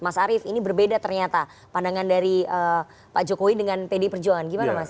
mas arief ini berbeda ternyata pandangan dari pak jokowi dengan pd perjuangan gimana mas